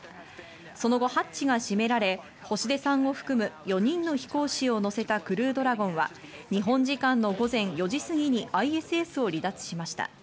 その後、ハッチが閉められ、星出さんを含む４人の飛行士を乗せたクルードラゴンは日本時間の午前４時過ぎにＩＳＳを離脱しました。